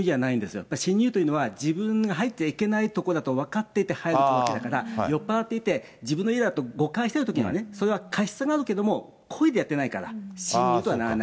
やっぱり侵入というのは、自分が入ってはいけない所だと分かっていて入るというわけだから、酔っぱらっていて、自分の家だと誤解してるときにはね、それは過失があるけれども、故意でやってないから、侵入とはならない。